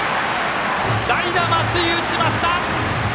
代打、松井打ちました！